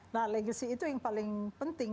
nah legacy itu yang paling penting